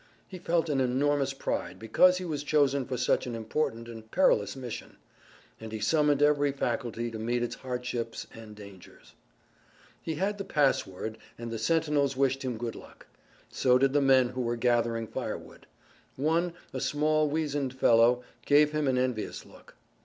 He felt an enormous pride because he was chosen for such an important and perilous mission, and he summoned every faculty to meet its hardships and dangers. He had the password, and the sentinels wished him good luck. So did the men who were gathering firewood. One, a small, weazened fellow, gave him an envious look.